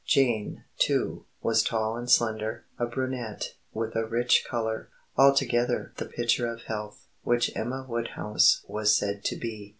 Jane, too, was tall and slender, a brunette, with a rich colour, altogether 'the picture of health' which Emma Woodhouse was said to be.